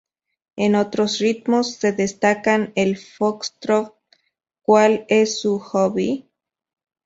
En otros ritmos se destacan el foxtrot "¿Cuál es su hobby?